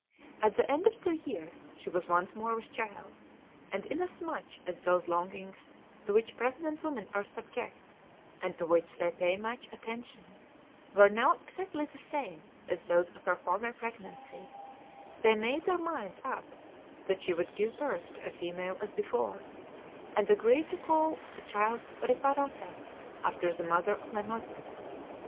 At the end of two years she was once more with child; and inasmuch as those longings to which pregnant women are subject, and to which they pay much attention, were now exactly the same as those of her former pregnancy, they made their minds up that she would give birth to a female as before, and agreed to call the child Reparata, after the mother of my mother.